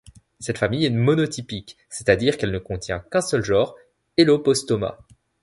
Cette famille est monotypique, c'est-à-dire quelle ne contient qu'un seul genre, Ellopostoma.